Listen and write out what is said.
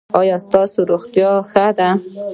ایا ستاسو روغتیا ښه ده؟